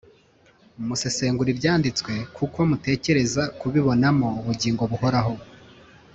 “Musesengura Ibyanditswe kuko mutekereza kubibonamo ubugingo buhoraho